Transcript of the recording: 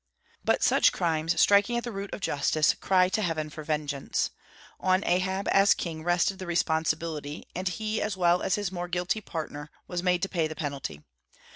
But such crimes, striking at the root of justice, cry to heaven for vengeance. On Ahab as king rested the responsibility, and he as well as his more guilty partner was made to pay the penalty.